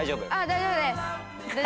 大丈夫です。